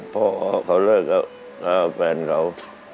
พ่อเขาเลิกแล้วแล้วแฟนเขา